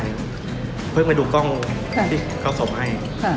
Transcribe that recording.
เพื่อนไปดูกล้องที่เขาสม่าย